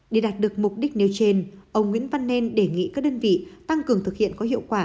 để đạt được mục đích nêu trên ông nguyễn văn nên đề nghị các đơn vị tăng cường thực hiện có hiệu quả